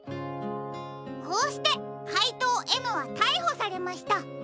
こうしてかいとうＭはたいほされました。